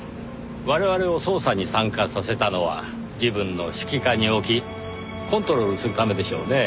我々を捜査に参加させたのは自分の指揮下に置きコントロールするためでしょうねぇ。